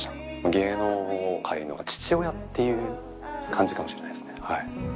芸能界の父親っていう感じかもしれないですね。